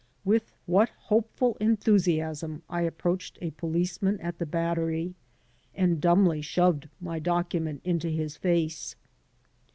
With what hopeful enthusiasm I approached a policeman at the Battery and dumbly shoved my document into his face!